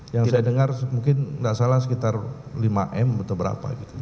yang saya dengar mungkin nggak salah sekitar lima m atau berapa gitu